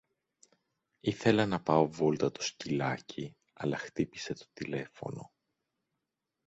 Ήθελα να πάω βόλτα το σκυλάκι αλλά χτύπησε το τηλέφωνο.